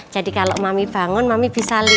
jadi kalau mami bangun mami bisa lihat